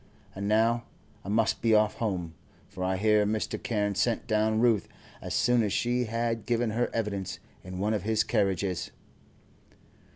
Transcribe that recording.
And now I must be off home, for I hear Mr. Carne sent down Ruth, as soon as she had given her evidence, in one of his carriages."